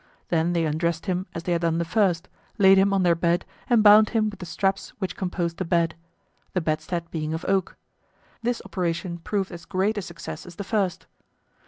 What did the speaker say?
Then they undressed him as they had done the first, laid him on their bed and bound him with the straps which composed the bed—the bedstead being of oak. This operation proved as great a success as the first.